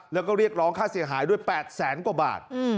แล้วก็เรียกร้องค่าเสียหายด้วย๘แสนกว่าบาท